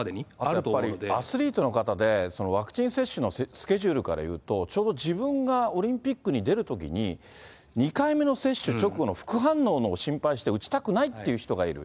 やっぱりアスリートの方で、ワクチン接種のスケジュールからいうと、ちょうど自分がオリンピックに出るときに、２回目の接種直後の副反応の心配して、打ちたくないっていう人がいる。